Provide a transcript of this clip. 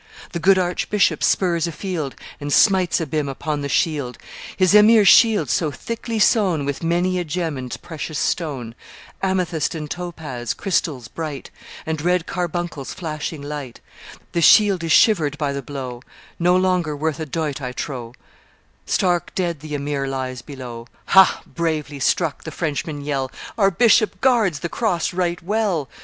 The good archbishop spurs a field, And smites Abyme upon the shield, His emir's shield, so thickly sown With many a gem and precious stone, Amethyst and topaz, crystals bright, And red carbuncles flashing light: The shield is shivered by the blow; No longer worth a doit, I trow; Stark dead the emir lies below. 'Ha! bravely struck!' the Frenchmen yell: 'Our bishop guards the Cross right well!